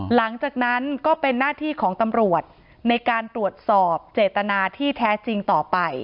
หลังจากนั้นก็เป็นหน้าที่ของตำรวจในการตรวจสอบเจตนาที่แท้จริงต่อไป